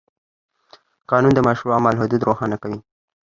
قانون د مشروع عمل حدود روښانه کوي.